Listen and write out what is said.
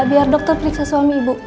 biar dokter periksa suami ibu